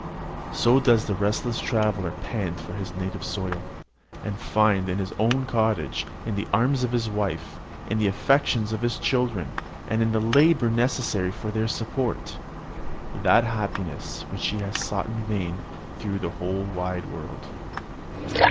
So does the restless traveller pant for his native soil, and find in his own cottage, in the arms of his wife, in the affections of his children, and in the labour necessary for their support, that happiness which he had sought in vain through the wide world.